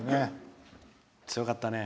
強かったね。